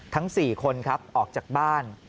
ทั้ง๔คนครับออกจากบ้าน